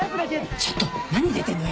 ちょっと何出てんのよ。